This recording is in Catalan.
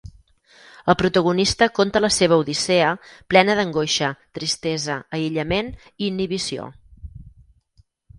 El protagonista conta la seva odissea plena d'angoixa, tristesa, aïllament i inhibició.